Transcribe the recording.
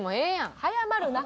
早まるな。